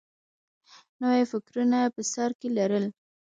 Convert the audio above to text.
نوي فکرونه په سر کې لرل